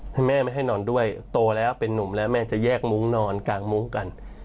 ถ้าแม่ไม่ให้นอนด้วยโตแล้วเป็นนุ่มแล้วแม่จะแยกมุ้งนอนกลางมุ้งกัน